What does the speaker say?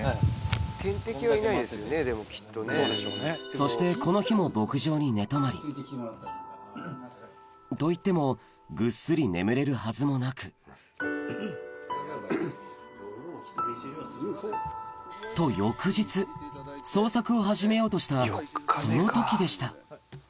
そしてこの日もといってもぐっすり眠れるはずもなくと翌日捜索を始めようとしたその時でした